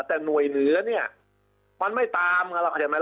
แต่หน่วยเหนือเนี่ยมันไม่ตามกันหรอกเข้าใจไหม